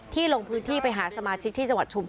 ลงพื้นที่ไปหาสมาชิกที่จังหวัดชุม